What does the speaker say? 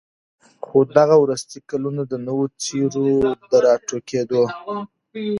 خو دغه وروستي كلونه د نوو څېرو د راټوكېدو